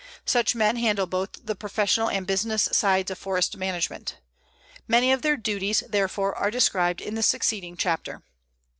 Such men handle both the professional and business sides of forest management. Many of their duties, therefore, are described in the succeeding chapter.